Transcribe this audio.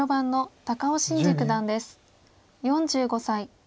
４５歳。